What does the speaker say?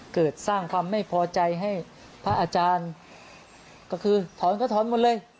เกิดสร้างความไม่พอใจให้พระอาจารย์ก็คือถอนก็ถอนหมดเลย